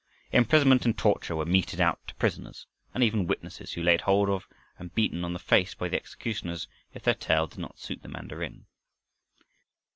Imprisonment and torture were meted out to prisoners, and even witnesses were laid hold of and beaten on the face by the executioners if their tale did not suit the mandarin.